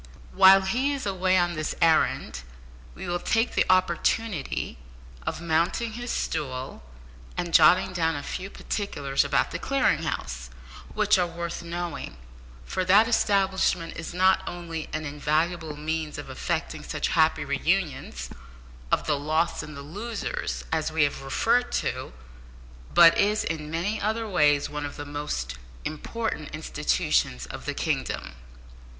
While he is away on this errand, we will take the opportunity of mounting his stool and jotting down a few particulars about the Clearing House, which are worth knowing, for that establishment is not only an invaluable means of effecting such happy re unions of the lost and the losers, as we have referred to, but is, in many other ways, one of the most important institutions in the kingdom.